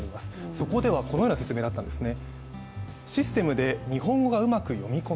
そこではこのような説明があったんですね。